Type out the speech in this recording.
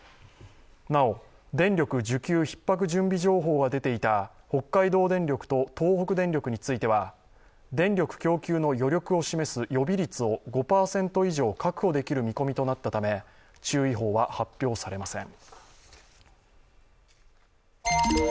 なお、電力需給ひっ迫準備情報が出ていた北海道電力と、東北電力については電力供給の余力を示す予備率を５％以上確保できる見込みとなったため注意報は発表されません。